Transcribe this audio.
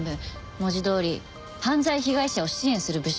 文字どおり犯罪被害者を支援する部署よね。